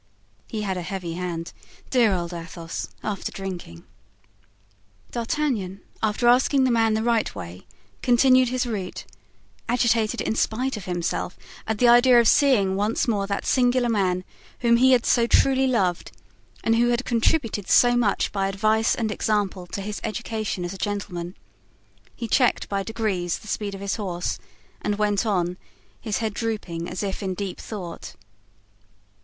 He had a heavy hand—dear old Athos—after drinking." D'Artagnan, after asking the man the right way, continued his route, agitated in spite of himself at the idea of seeing once more that singular man whom he had so truly loved and who had contributed so much by advice and example to his education as a gentleman. He checked by degrees the speed of his horse and went on, his head drooping as if in deep thought.